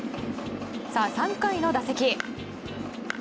さあ、３回の打席。